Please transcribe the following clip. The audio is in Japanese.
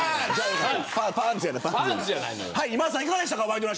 今田さん、いかがでしたか。